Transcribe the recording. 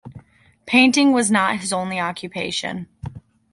Painting was not his only occupation.